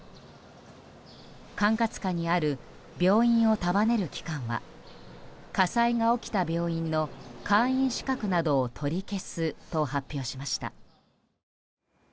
管轄下にある病院を束ねる機関は火災が起きた病院の会員資格などを取り消すと発表しました。